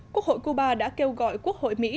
quốc hội cuba đã kêu gọi quốc hội mỹ